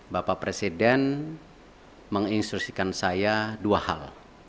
bapak presiden menginstrusikan saya dua hal